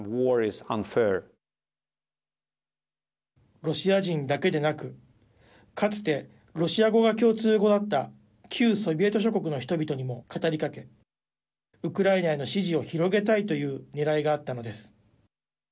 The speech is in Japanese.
ロシア人だけでなくかつてロシア語が共通語だった旧ソビエト諸国の人々にも語りかけウクライナへの支持を広げたいというねらいがあったのです。